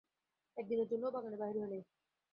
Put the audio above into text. একদিনের জন্যও বাগানে বাহির হই নাই।